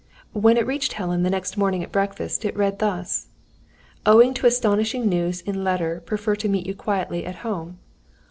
When it reached Helen, the next morning at breakfast, it read thus: _Owing to astonishing news in letter prefer to meet you quietly at home.